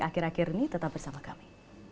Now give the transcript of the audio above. akhir akhir ini tetap bersama kami